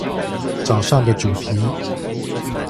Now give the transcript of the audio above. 早上的主題